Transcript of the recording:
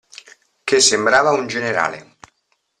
Che sembrava un generale.